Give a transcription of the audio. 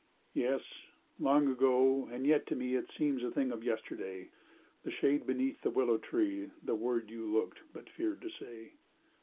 Yes, long ago, and yet to me It seems a thing of yesterday; The shade beneath the willow tree, The word you looked but feared to say.